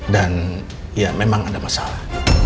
dan ya memang ada masalah